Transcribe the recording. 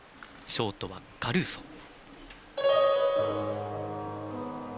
ショートは「カルーソ」。